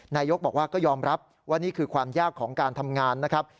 นายกบอกว่าก็ยอมรับว่านี่คือความยากของการทำงานนะครับ